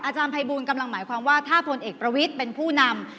อจอาจารย์ไพบูนกำลังหมายความว่าถ้าพลเอกประวิษฐิ์เป็นผู้นำ